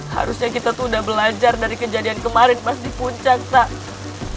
harusnya kita tuh udah belajar dari kejadian kemarin pas di puncak kak